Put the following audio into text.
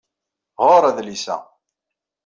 Ɣeṛ adlis-a.